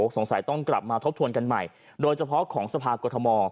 สงสัยต้องกลับมาทบทวนกันใหม่โดยเฉพาะของสภากรทม